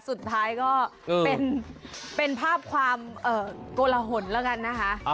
สุดท้ายก็เป็นภาพความโกลหนแล้วกันนะคะ